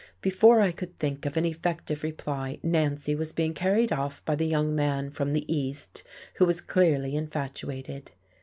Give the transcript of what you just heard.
Before I could think of an effective reply Nancy was being carried off by the young man from the East, who was clearly infatuated.